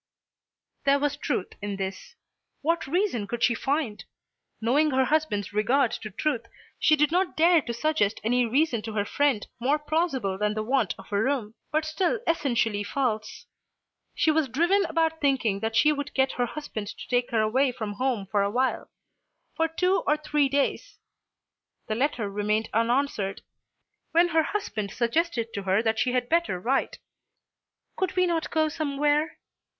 There was truth in this. What reason could she find? Knowing her husband's regard to truth she did not dare to suggest any reason to her friend more plausible than the want of a room, but still essentially false. She was driven about thinking that she would get her husband to take her away from home for awhile for two or three days. The letter remained unanswered, when her husband suggested to her that she had better write. "Could we not go somewhere?"